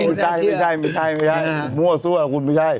ไม่ใช่มั่วสั่วคุณไม่ใช่